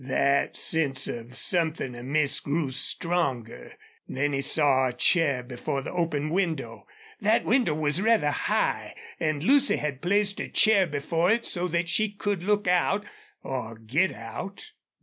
That sense of something amiss grew stronger. Then he saw a chair before the open window. That window was rather high, and Lucy had placed a chair before it so that she could look out or get out.